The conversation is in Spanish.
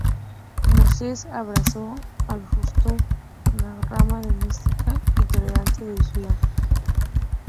Moses abrazó el sufismo, la rama más mística y tolerante del Islam.